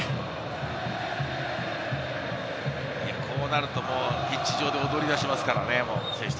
こうなるとピッチ上で踊りだしますからね。